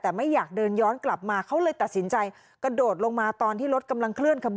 แต่ไม่อยากเดินย้อนกลับมาเขาเลยตัดสินใจกระโดดลงมา